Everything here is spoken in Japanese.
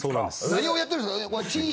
何をやってるんですか？